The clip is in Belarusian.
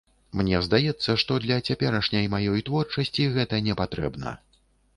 Мне здаецца, што для цяперашняй маёй творчасці гэта не патрэбна.